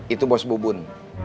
itu bos bubun